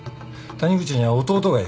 谷口には弟がいる。